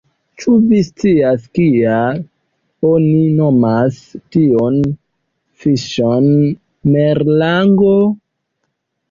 Ĉu vi scias kial oni nomas tiun fiŝon merlango?